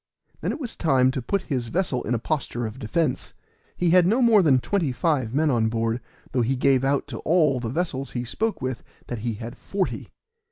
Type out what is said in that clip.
Then it was time to put his vessel in a posture of defense. He had no more than twenty five men on board, though he gave out to all the vessels he spoke with that he had forty.